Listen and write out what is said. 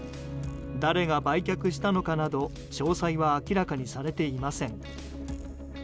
誰が売却したのかなど詳細は明らかにされていません。